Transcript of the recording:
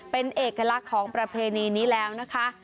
เป็นเอกลักษณ์ของประเพณีนี้แล้วนะคะ